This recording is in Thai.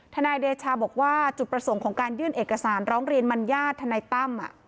นายเดชาบอกว่าจุดประสงค์ของการยื่นเอกสารร้องเรียนมัญญาติทนายตั้ม